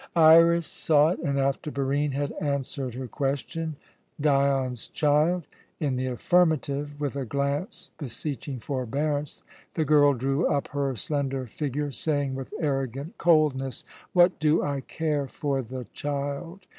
Iras saw it, and after Barine had answered her question, "Dion's child?" in the affirmative, with a glance beseeching forbearance, the girl drew up her slender figure, saying with arrogant coldness "What do I care for the child?